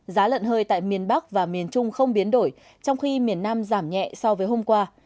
giá lợn hơi tại miền bắc và miền trung không biến đổi trong khi miền nam giảm nhẹ so với hôm qua